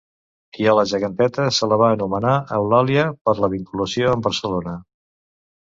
I a la geganteta se la va anomenar Eulàlia per la vinculació amb Barcelona.